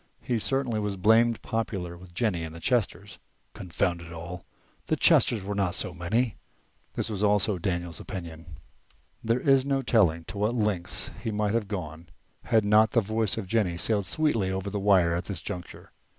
He certainly was blamed popular with Jennie and the Chesters. Confound it all, the Chesters were not so many! (this also was Daniel's opinion). There is no telling to what lengths he might have gone had not the voice of Jennie sailed sweetly over the wire at this juncture.